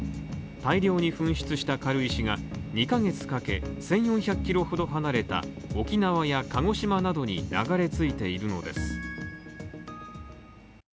大量に噴出した軽石が２ヶ月かけ、１４００キロほど離れた沖縄や鹿児島などに流れ着いているのです。